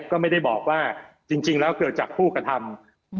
ก็ไม่ได้บอกว่าจริงแล้วเกิดจากผู้กระทำ